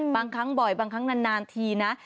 บางครั้งบ่อยบางครั้งนานทีนะ